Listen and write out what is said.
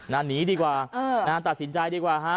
หนีดีกว่าตัดสินใจดีกว่าฮะ